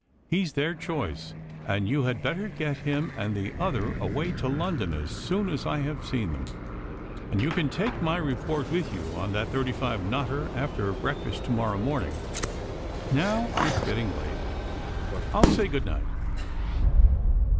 He's their choice, and you had better get him and the other away to London as soon as I have seen them, and you can take my report with you on that thirty five knotter after breakfast to morrow morning. Now, it's getting late. I'll say good night."